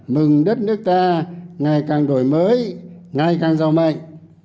mừng đất nước ta ngày càng đổi mới ngày càng giàu mạnh